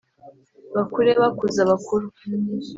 bakure bakuza abakuru